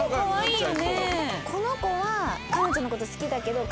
この子は彼女の事好きだけど。